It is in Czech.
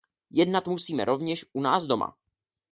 Jednat musíme rovněž u nás doma.